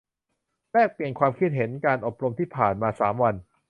แลกเปลี่ยน ความคิดเห็นการอบรมที่ผ่านมาสามวัน